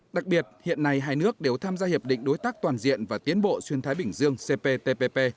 đặc biệt hiện nay hai nước đều tham gia hiệp định đối tác toàn diện và tiến bộ xuyên thái bình dương cptpp